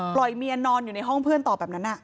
เมียนอนอยู่ในห้องเพื่อนต่อแบบนั้น